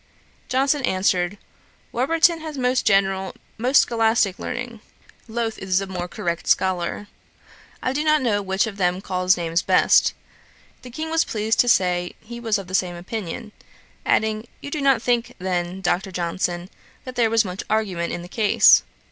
Johnson answered, 'Warburton has most general, most scholastick learning; Lowth is the more correct scholar. I do not know which of them calls names best.' The King was pleased to say he was of the same opinion; adding, 'You do not think, then, Dr. Johnson, that there was much argument in the case.'